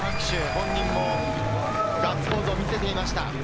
本人もガッツポーズを見せていました。